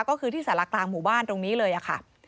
ก็คือที่สารกลางหมู่บ้านตรงนี้เลยค่ะ